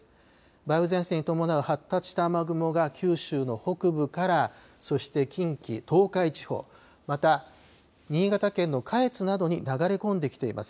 梅雨前線に伴う発達した雨雲が九州の北部からそして近畿、東海地方、また新潟県の下越などに流れ込んできています。